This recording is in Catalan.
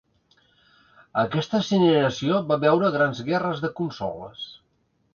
Aquesta generació va veure grans guerres de consoles.